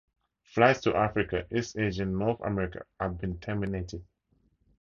Flights to Africa, East Asia, and North America had been terminated.